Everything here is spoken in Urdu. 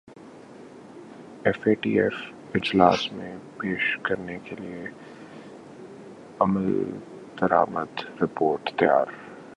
ایف اے ٹی ایف اجلاس میں پیش کرنے کیلئے عملدرامد رپورٹ تیار